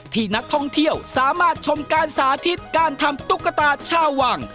ที่นักท่องเที่ยวสามารถชมการสาธิตการทำตุ๊กตาชาววัง